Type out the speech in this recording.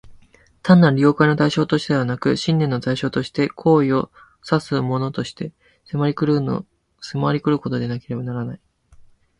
単なる了解の対象としてでなく、信念の対象として、行為を唆すものとして、迫り来ることでなければならない。